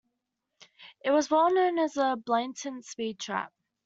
It was well known as a blatant speed trap.